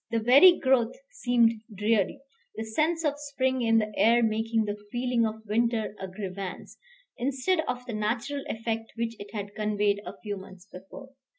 The very growth seemed dreary the sense of spring in the air making the feeling of winter a grievance, instead of the natural effect which it had conveyed a few months before.